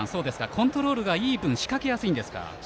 コントロールがいい分仕掛けやすいんですか。